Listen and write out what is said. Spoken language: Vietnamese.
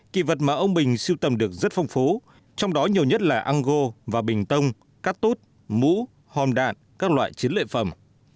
kỳ vật mà ông bình siêu tầm được rất phong phú trong đó nhiều nhất là ăn go và bình tông cát tốt mũ hòm đạn các loại chiến lệ phẩm